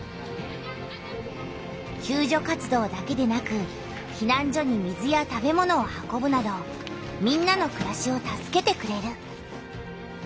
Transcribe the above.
救助活動だけでなくひなん所に水や食べ物を運ぶなどみんなのくらしを助けてくれる。